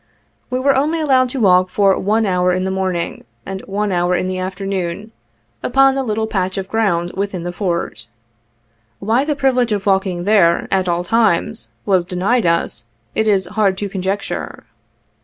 We were only allowed to walk for one hour in the morning, and one hour in the afternoon, upon the little patch of ground within the Fort. Why the privilege of walking there, at all times, was denied us, it is hard to conjecture.